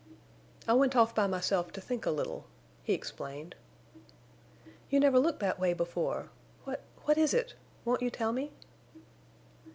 "I went off by myself to think a little," he explained. "You never looked that way before. What—what is it? Won't you tell me?"